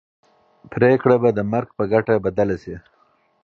پرېکړه به د مرګ په ګټه بدله شي.